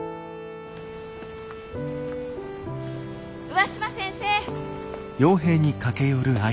上嶋先生！